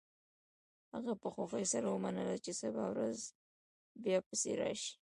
هغه په خوښۍ سره ومنله چې سبا ورځ بیا پسې راشي